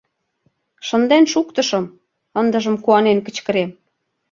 — Шынден шуктышым, — ындыжым куанен кычкырем.